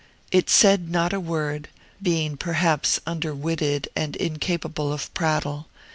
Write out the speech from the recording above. It said not a word, being perhaps under witted and incapable of prattle.